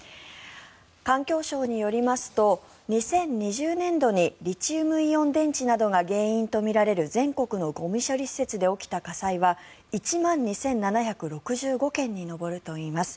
環境省によりますと２０２０年度にリチウムイオン電池などが原因とみられる、全国のゴミ処理施設で起きた火災は１万２７６５件に上るといいます。